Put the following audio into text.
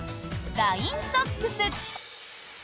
ラインソックス。